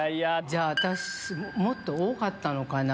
私もっと多かったのかな。